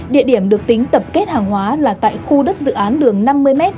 địa điểm được tính tập kết hàng hóa là tại khu đất dự án đường năm mươi m